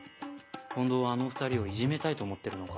近藤はあの２人をいじめたいと思ってるのか？